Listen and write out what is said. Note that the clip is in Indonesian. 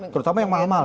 terutama yang mahal mahal